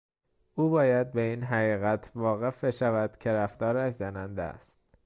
او باید به این حقیقت واقف بشود که رفتارش زننده است.